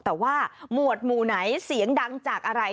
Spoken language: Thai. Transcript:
แต่ว่าหมวดหมู่ไหนเสียงดังจากอะไร